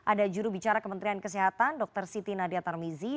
ada juru bicara kementerian kesehatan dr siti nadia tarmizi